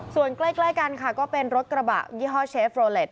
ส่วนใกล้กันค่ะก็เป็นรถกระบะยี่ห้อเชฟโรเล็ต